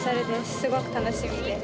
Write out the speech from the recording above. すごく楽しみです。